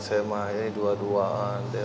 saya mah dua duaan deh